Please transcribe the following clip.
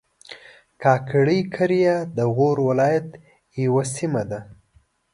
کاکړي قریه د غور ولایت یوه سیمه ده